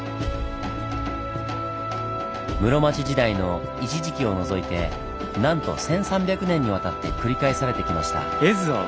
室町時代の一時期を除いてなんと１３００年にわたって繰り返されてきました。